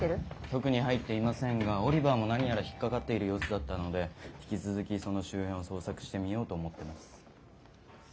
特に入っていませんがオリバーも何やら引っ掛かっている様子だったので引き続きその周辺を捜索してみようと思ってます。